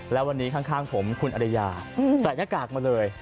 แล้ววันนี้ข้างผมคุณอริยาใส่หน้ากากมาเลย